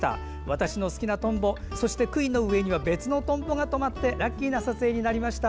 私の好きなトンボそして、くいの上には別のトンボが止まってラッキーな撮影になりました。